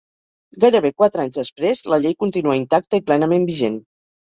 Gairebé quatre anys després, la llei continua intacta i plenament vigent.